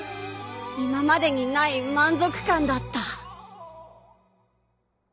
今までにない満足感だった。